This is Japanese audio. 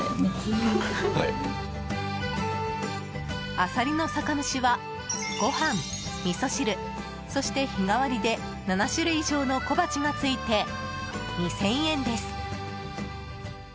あさりの酒蒸しはご飯・みそ汁そして日替わりで７種類以上の小鉢がついて２０００円です。